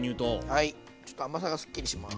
ちょっと甘さがすっきりします。